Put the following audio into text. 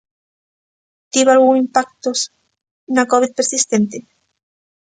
Tivo algún impactos na Covid persistente?